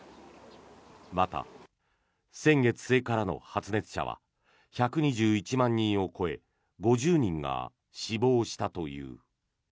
また、先月末からの発熱者は１２１万人を超え５０人が死亡したという。